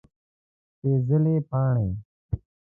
سپيڅلي پاڼې